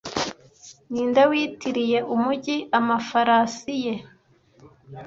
Ninde witiriye umujyi amafarasi ye